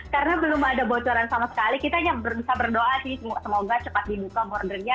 karena belum ada bocoran sama sekali kita hanya bisa berdoa sih semoga cepat dibuka bordernya